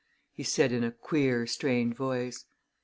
he said in a queer, strained voice.